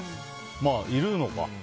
まあ、いるのか。